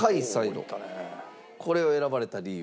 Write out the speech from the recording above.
これを選ばれた理由は？